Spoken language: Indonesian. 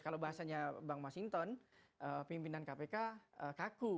kalau bahasanya bang masinton pimpinan kpk kaku